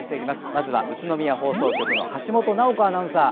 まずは宇都宮放送局の橋本奈穂子アナウンサー。